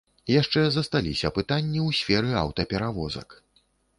Яшчэ засталіся пытанні ў сферы аўтаперавозак.